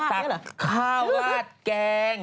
สนับสนุนโดยดีที่สุดคือการให้ไม่สิ้นสุด